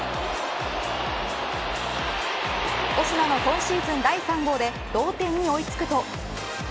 オスナの今シーズン第３号で同点に追いつくと。